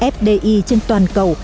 fdi trên toàn cầu